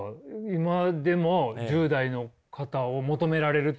今でも１０代の方を求められるというのは。